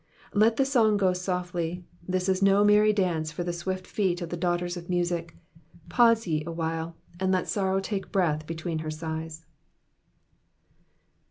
Let the son^ go softly; this is no merry dance for the swift feet of the daughters of music, pause ye awhile, and let sorrow take breath between her sighs.